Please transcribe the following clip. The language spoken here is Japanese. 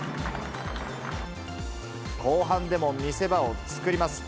後半でも見せ場を作ります。